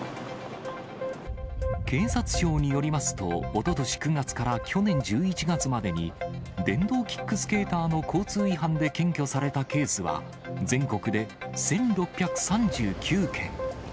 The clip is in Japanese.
警察庁によりますと、おととし９月から去年１１月までに、電動キックスケーターの交通違反で検挙されたケースは、全国で１６３９件。